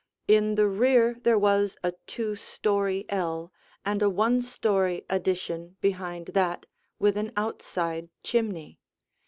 In the rear there was a two story ell and a one story addition behind that, with an outside chimney.